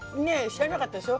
知らなかった。